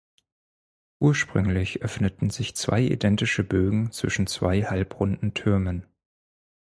Ursprünglich öffneten sich zwei identische Bögen zwischen zwei halbrunden Türmen.